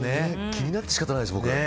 気になって仕方ないです、僕。